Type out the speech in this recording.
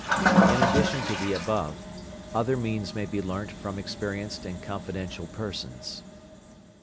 In addition to the above, other means may be learnt from experienced and confidential persons.